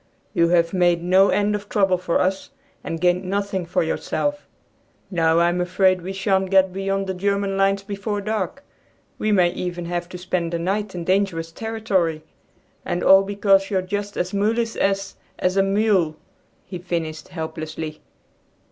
"You have made no end of trouble for us, and gained nothing for yourself! Now I am afraid we shan't get beyond the German lines before dark. We may even have to spend the night in dangerous territory, and all because you're just as mulish as, as a mule," he finished helplessly.